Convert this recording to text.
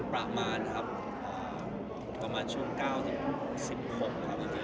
ประมาณครับอ่ากรมชุม๙๑๖ครับอยู่เต้นวนนี้บ้างเลยตอนก่อนก็จะปล่อย